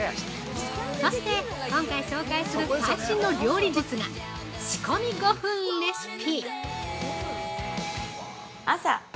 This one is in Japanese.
そして、今回紹介する最新の料理術が仕込み５分レシピ。